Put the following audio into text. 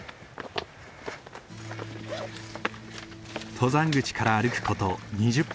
登山口から歩く事２０分。